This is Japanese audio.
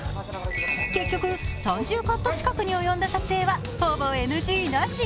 結局、３０カット近くに及んだ撮影は、ほぼＮＧなし。